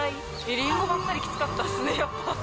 りんごばっかりきつかったっすね、やっぱ。